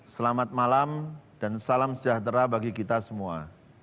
selamat malam dan salam sejahtera bagi kita semua